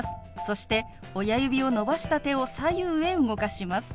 そして親指を伸ばした手を左右へ動かします。